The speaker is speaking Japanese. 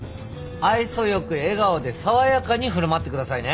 愛想良く笑顔で爽やかに振る舞ってくださいね。